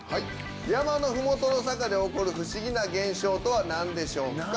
山の麓の坂で起こる不思議な現象とは何でしょうか？